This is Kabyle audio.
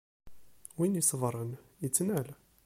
Win iṣebṛen, ittnal.